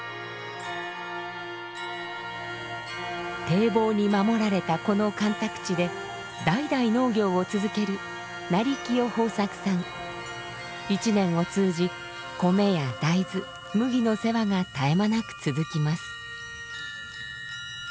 堤防に守られたこの干拓地で代々農業を続ける一年を通じ米や大豆麦の世話が絶え間なく続きます。